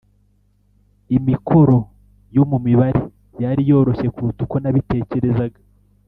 imikoro yo mu mibare yari yoroshye kuruta uko nabitekerezaga.